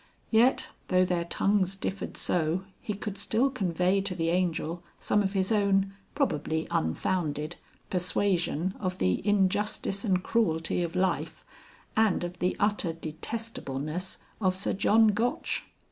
Yet, though their tongues differed so, he could still convey to the Angel some of his own (probably unfounded) persuasion of the injustice and cruelty of life, and of the utter detestableness of Sir John Gotch.